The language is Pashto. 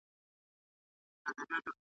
او بل څوک د ده په رنګ حرامزاده وي.